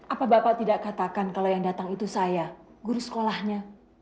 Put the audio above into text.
apa bapak tidak katakan kalau yang datang itu saya guru sekolahnya